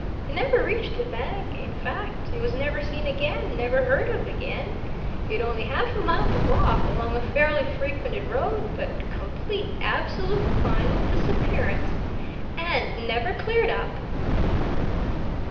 He never reached the bank in fact, he was never seen again, never heard of again. He'd only half a mile to walk, along a fairly frequented road, but complete, absolute, final disappearance! And never cleared up!"